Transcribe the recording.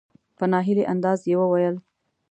په نا هیلي انداز یې وویل .